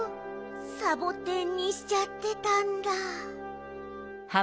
サボテンにしちゃってたんだ。